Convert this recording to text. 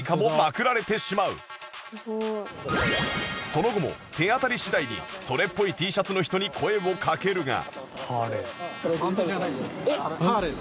その後も手当たり次第にそれっぽい Ｔ シャツの人に声をかけるが